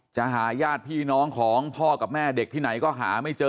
จะหาญาติพี่น้องของพ่อกับแม่เด็กที่ไหนก็หาไม่เจอ